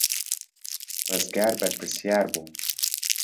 ڕزگار بەرپرسیار بوو.